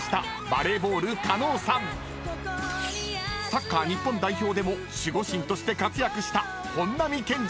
［サッカー日本代表でも守護神として活躍した］